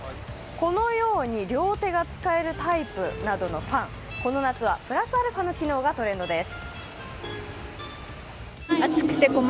このように両手が使えるタイプなどのファン、この夏はプラスアルファの機能がトレンドです。